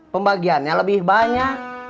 pembagiannya lebih banyak